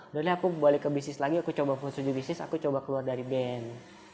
udah deh aku balik ke bisnis lagi aku coba pun setuju bisnis aku coba keluar dari band